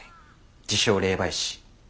自称霊媒師。